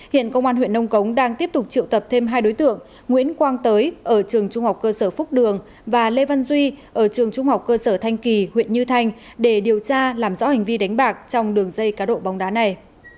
hiện công an huyện nông cống đang tiếp tục triệu tập thêm hai đối tượng nguyễn quang tới ở trường trung học cơ sở phúc đường và lê văn duy ở trường trung học cơ sở thanh kỳ huyện như thanh để điều tra làm rõ hành vi đánh bạc trong đường dây cá độ bóng đá này